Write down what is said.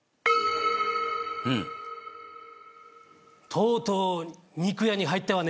とうとう肉屋に入ったわね